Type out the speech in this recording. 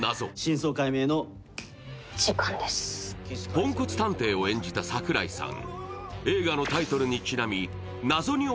ポンコツ探偵を演じた櫻井さん。